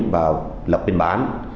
và lập bình bản